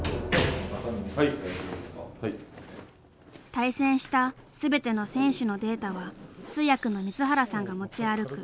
対戦した全ての選手のデータは通訳の水原さんが持ち歩く